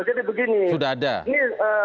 jadi begini sudah ada ini